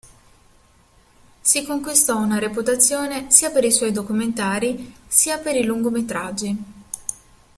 Si conquistò una reputazione sia per i suoi documentari sia per i lungometraggi.